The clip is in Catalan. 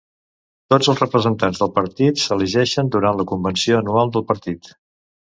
Tots els representants del partit s'elegeixen durant la convenció anual del partit.